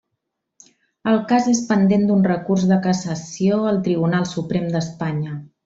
El cas és pendent d'un recurs de cassació al Tribunal Suprem d'Espanya.